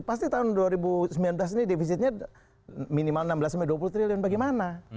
pasti tahun dua ribu sembilan belas ini defisitnya minimal enam belas dua puluh triliun bagaimana